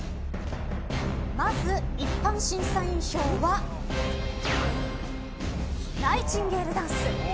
まず、一般審査員票はナイチンゲールダンス。